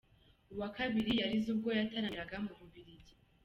Uwa kabiri yarize ubwo yataramiraga mu Bubiligi.